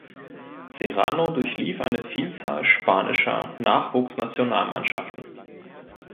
Serrano durchlief eine Vielzahl spanischer Nachwuchsnationalmannschaften.